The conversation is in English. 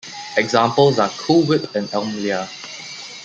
Examples are Cool Whip and Elmlea.